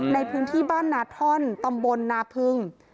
ในพื้นที่บ้านนาท่อนตำบลนาพึง